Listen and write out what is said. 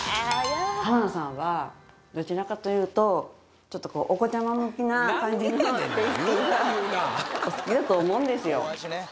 浜田さんはどちらかというとちょっとお子ちゃま向きな感じのテイストがお好きだと思うんですよ